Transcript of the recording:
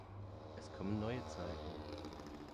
Es kommen neue Zeiten.